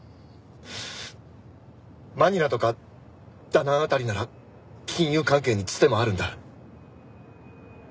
マニラとかダナン辺りなら金融関係につてもあるんだ。